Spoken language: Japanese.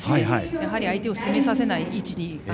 やはり相手に攻めさせない位置に。